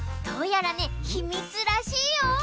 どうやらねひみつらしいよ。